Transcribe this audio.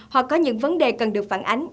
hoặc có những vấn đề cần được phản ánh